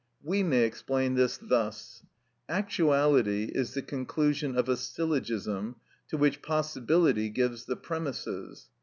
We may explain this thus: Actuality is the conclusion of a syllogism to which possibility gives the premises.